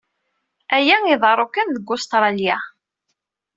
Aya iḍerru kan deg Ustṛalya.